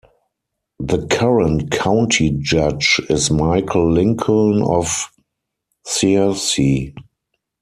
The current County Judge is Michael Lincoln of Searcy.